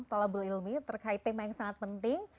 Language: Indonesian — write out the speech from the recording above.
tolabel ilmi terkait tema yang sangat penting